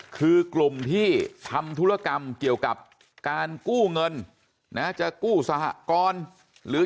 คือกลุ่มที่ทำธุรกรรมเกี่ยวกับการกู้เงินนะจะกู้สหกรณ์หรือ